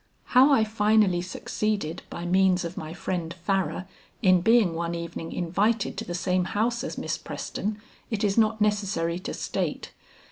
How I finally succeeded by means of my friend Farrar in being one evening invited to the same house as Miss Preston it is not necessary to state.